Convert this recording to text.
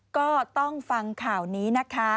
ก็ต้องฟังข่าวนี้นะคะ